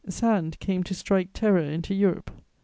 Sand came to strike terror into Europe.